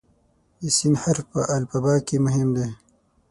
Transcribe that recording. د "س" حرف په الفبا کې مهم دی.